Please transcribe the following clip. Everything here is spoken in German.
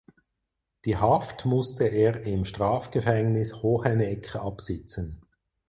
Die Haft musste er im Strafgefängnis Hoheneck absitzen.